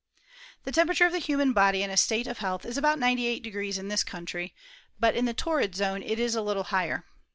The temperature of the human body in a state of health is about 98' in this country; but in the torrid zone it is a little higher.